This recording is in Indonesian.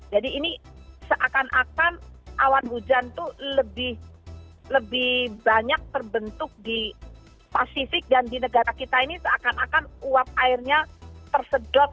jadi ini seakan akan awan hujan itu lebih banyak terbentuk di pasifik dan di negara kita ini seakan akan uap airnya tersedot ke arah